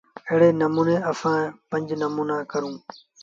ايڙي نموٚني سآݩ پنج نموݩآ ڪرو۔